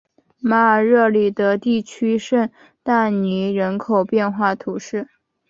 马尔热里德地区圣但尼人口变化图示